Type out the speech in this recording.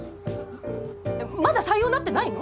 まだ採用になってないの！？